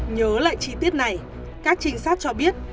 nhớ lại chi tiết này các trinh sát cho biết